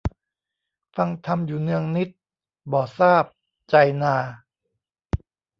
ฟังธรรมอยู่เนืองนิตย์ บ่ทราบ ใจนา